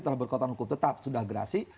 terlalu berkotong hukum tetap sudah gerasi